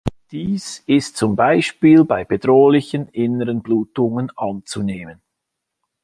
Dies ist zum Beispiel bei bedrohlichen inneren Blutungen anzunehmen.